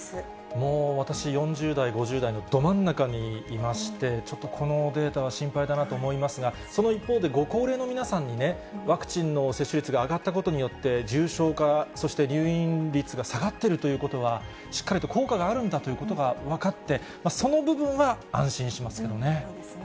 もう私、４０代、５０代のど真ん中にいまして、ちょっとこのデータは心配だなと思いますが、その一方でご高齢の皆さんにね、ワクチンの接種率が上がったことによって、重症化、そして入院率が下がっているということは、しっかりと効果があるんだということが分かって、その部分は安心しますけどね。